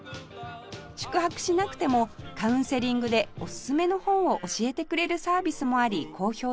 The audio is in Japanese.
宿泊しなくてもカウンセリングでオススメの本を教えてくれるサービスもあり好評です